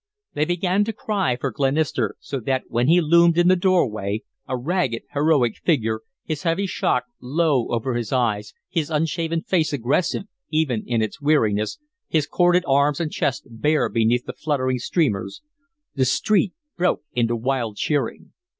They began to cry for Glenister, so that when he loomed in the doorway, a ragged, heroic figure, his heavy shock low over his eyes, his unshaven face aggressive even in its weariness, his corded arms and chest bare beneath the fluttering streamers, the street broke into wild cheering.